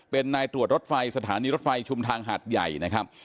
เป็นนายตรวจรถไฟสถานีรถไฟชุมทางหาดใหญ่นะครับ